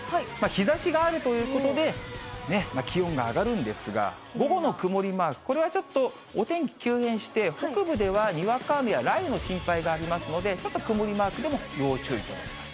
日ざしがあるということで、気温が上がるんですが、午後の曇りマーク、これはちょっと、お天気急変して、北部ではにわか雨や雷雨の心配がありますので、ちょっと曇りマークでも要注意となります。